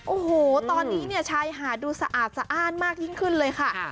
โอ้โหตอนนี้ชายหาดดูสะอาดมากยิ่งขึ้นเลยค่ะ